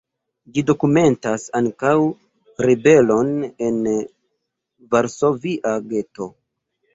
Ĝi dokumentas ankaŭ ribelon en varsovia geto.